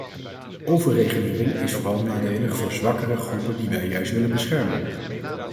Overregulering is vooral nadelig voor zwakkere groepen die wij juist willen beschermen.